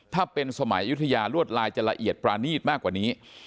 ถ้าเป็นสมัยยุธยารวดลายจะละเอียดปรานีตมากกว่านี้